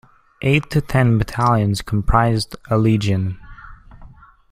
Eight to ten battalions comprised a "legion".